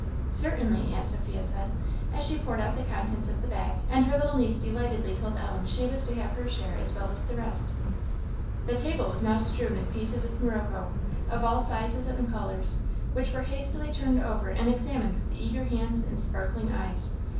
"Certainly!" Aunt Sophia said, as she poured out the contents of the bag; and her little niece delightedly told Ellen she was to have her share as well as the rest. The table was now strewn with pieces of morocco, of all sizes and colours, which were hastily turned over and examined with eager hands and sparkling eyes.